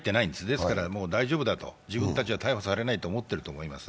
ですから、大丈夫だと、自分たちは逮捕されないと思っていると思います。